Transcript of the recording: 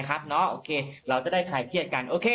เราจะได้ไขเกลียดกัน